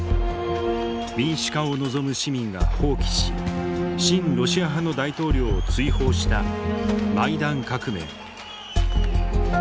民主化を望む市民が蜂起し親ロシア派の大統領を追放したマイダン革命。